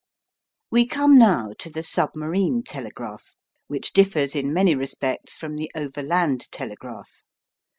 We come now to the submarine telegraph, which differs in many respects from the overland telegraph.